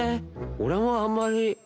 俺もあんまり。